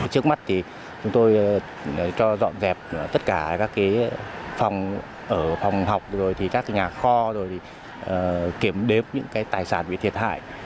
trước mắt thì chúng tôi cho dọn dẹp tất cả các cái phòng học rồi thì các cái nhà kho rồi kiểm đếm những cái tài sản bị thiệt hại